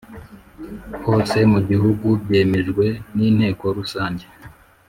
hose mu gihugu byemejwe n Inteko Rusange